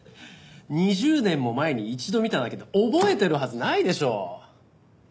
２０年も前に一度見ただけで覚えてるはずないでしょう！